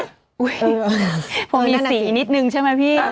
อุ๊ยดีสีนิดนึงใช่ไหมพี่